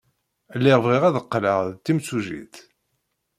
Lliɣ bɣiɣ ad qqleɣ d timsujjit.